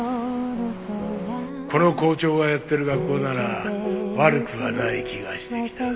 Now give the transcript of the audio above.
この校長がやってる学校なら悪くはない気がしてきた。